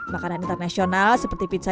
makanan internasional seperti pizza